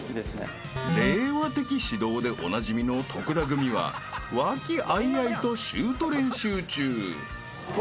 ［令和的指導でおなじみの徳田組は和気あいあいとシュート練習中］